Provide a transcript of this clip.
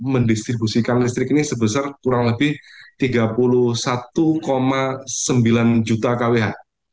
mendistribusikan listrik ini sebesar kurang lebih tiga puluh satu sembilan juta kwh